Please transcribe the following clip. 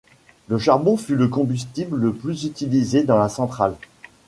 Le charbon fut le combustible le plus utilisé dans la centrale.